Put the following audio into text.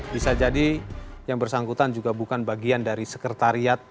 bisa jadi yang bersangkutan juga bukan bagian dari sekretariat